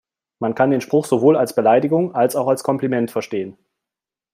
Man kann den Spruch sowohl als Beleidigung als auch als Kompliment verstehen.